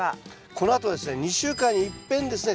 このあとはですね２週間にいっぺんですね